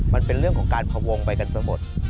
มันเป็นเรื่องของการพวงไปกันซะหมด